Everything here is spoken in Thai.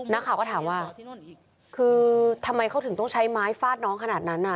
นักข่าวก็ถามว่าคือทำไมเขาถึงต้องใช้ไม้ฟาดน้องขนาดนั้น